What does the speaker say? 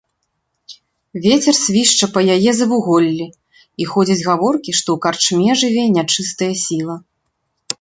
Вецер свішча па яе завуголлі, і ходзяць гаворкі, што ў карчме жыве нячыстая сіла.